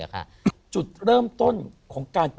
โปรดติดตามต่อไป